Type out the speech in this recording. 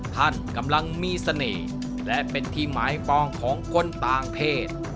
ท่านกำลังมีเสน่ห์และเป็นที่หมายปองของคนต่างเพศ